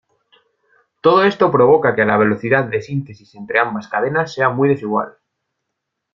Todo esto provoca que la velocidad de síntesis entre ambas cadenas sea muy desigual.